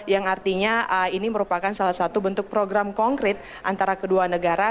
yang artinya ini merupakan salah satu bentuk program konkret antara kedua negara